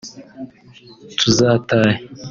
tuzatahe